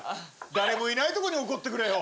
誰もいないとこで怒ってくれよ。